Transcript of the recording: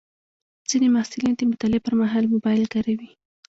ځینې محصلین د مطالعې پر مهال موبایل کاروي.